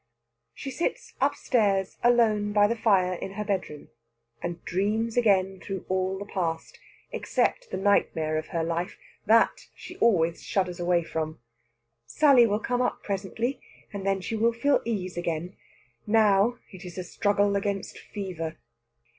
She sits upstairs alone by the fire in her bedroom, and dreams again through all the past, except the nightmare of her life that she always shudders away from. Sally will come up presently, and then she will feel ease again. Now, it is a struggle against fever.